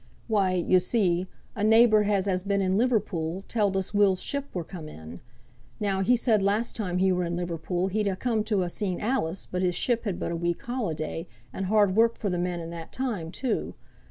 "Why, yo see, a neighbour as has been in Liverpool, telled us Will's ship were come in. Now he said last time he were in Liverpool he'd ha' come to ha' seen Alice, but his ship had but a week holiday, and hard work for the men in that time too.